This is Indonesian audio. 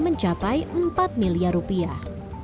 mencapai empat miliar rupiah